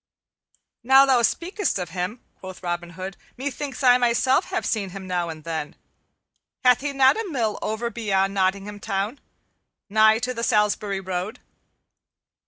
"Now thou speakest of him," quoth Robin Hood, "methinks I myself have seen him now and then. Hath he not a mill over beyond Nottingham Town, nigh to the Salisbury road?"